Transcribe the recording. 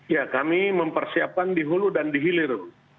ya kami mempersiapkan di hulu dan di hilir